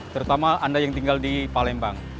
terutama anda yang tinggal di palembang